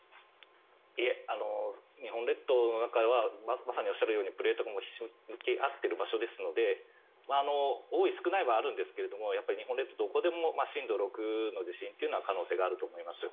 いえ、日本列島の中はまさにおっしゃるようにプレートがひしめき合っている場所ですので多い少ないはあるんですが日本列島、どこでも震度６の地震というのは可能性があると思います。